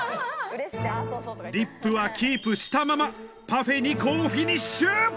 リップはキープしたままパフェに好フィニッシュ！